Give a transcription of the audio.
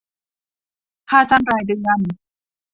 ค่าจ้างรายเดือน